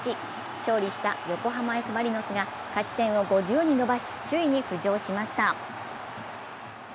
勝利した横浜Ｆ・マリノスが勝ち点を５０に伸ばし、首位に浮上しました。